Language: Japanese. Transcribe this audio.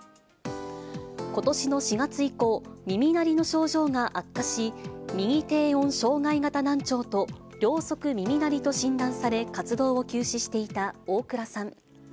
ことしの４月以降、耳鳴りの症状が悪化し、右低音障害型難聴と両側耳鳴りと診断され、活動を休止していた大倉さん。